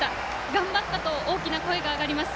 頑張ったと大きな声が上がります。